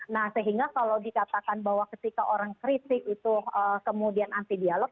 nah sehingga kalau dikatakan bahwa ketika orang kritik itu kemudian anti dialog